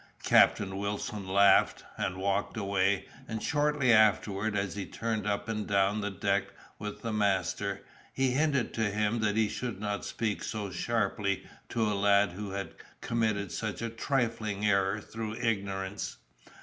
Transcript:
Captain Wilson laughed, and walked away, and shortly afterward, as he turned up and down the deck with the master, he hinted to him that he should not speak so sharply to a lad who had committed such a trifling error through ignorance.